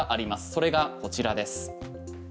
それがこちらです。